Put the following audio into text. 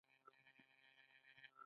موږ ولې پرمختګ غواړو؟